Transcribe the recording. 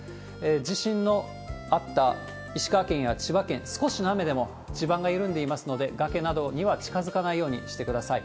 地震のあった石川県や千葉県、少しの雨でも地盤が緩んでいますので、崖などには近づかないようしてください。